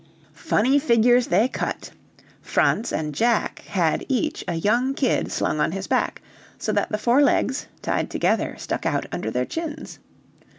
Funny figures they cut! Franz and Jack had each a young kid slung on his back, so that the four legs, tied together, stuck out under their chins.